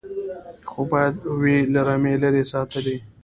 خو باید وي له رمې لیري ساتلی